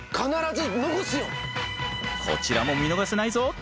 こちらも見逃せないぞ。